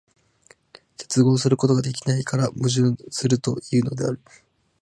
結合することができないから矛盾するというのである。